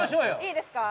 いいですか？